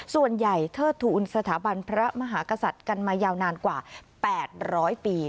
เศรษฐกิจเทิดทูลสถาบันพระมหากษัตริย์กันมายาวนานกว่า๘๐๐ปี